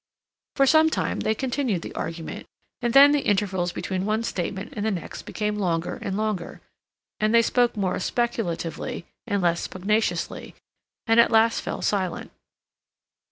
For some time they continued the argument, and then the intervals between one statement and the next became longer and longer, and they spoke more speculatively and less pugnaciously, and at last fell silent.